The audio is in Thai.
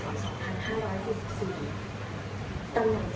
ตำแหน่งสุดท้าย